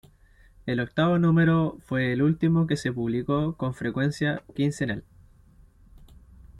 El octavo número fue el último que se publicó con frecuencia quincenal.